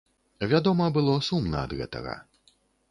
Вядома, было сумна ад гэтага.